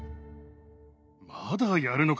まだやるのかね。